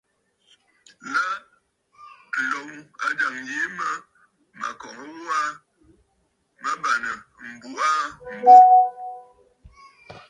Lâ, ǹloŋ ajàŋ yìi mə mə̀ kɔ̀ŋə gho aa, mə bàŋnə̀ m̀buꞌu aa m̀bô.